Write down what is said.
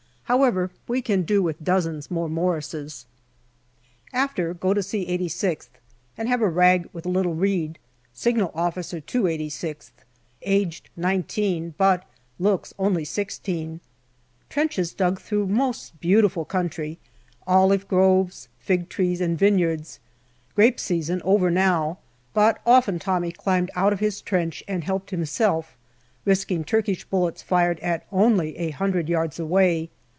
However, we can do with dozens more Morrises. After, go on to see 86th and have a rag with little Reid, Signal Officer to 86th, aged nineteen, but looks only sixteen. Trenches dug through most beautiful country olive groves, fig trees, and vineyards. Grape season over now, but often Tommy climbed out of his trench and helped himself, risking Turkish bullets fired at only a hundred yards away.